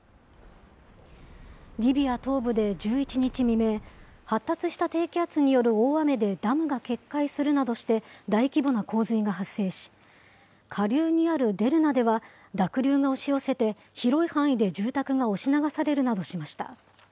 リビア東部で１１日未明、発達した低気圧による大雨でダムが決壊するなどして、大規模な洪水が発生し、下流にあるデルナでは濁流が押し寄せて広い範囲で住宅が押し流されるなどしました。